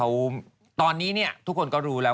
วันที่สุดท้าย